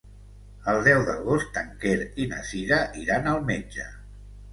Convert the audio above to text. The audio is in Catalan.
El deu d'agost en Quer i na Cira iran al metge.